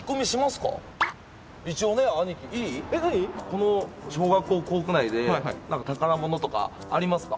この小学校校区内で宝物とかありますか？